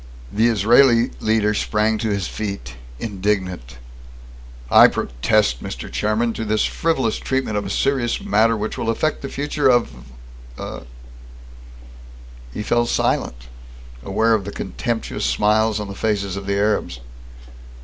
The Israeli leader sprang to his feet, indignant. "I protest, Mr. Chairman, to this frivolous treatment of a serious matter, which will affect the future of " He felt silent, aware of the contemptuous smiles on the faces of the Arabs.